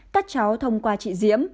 các cháu thông qua chị diễm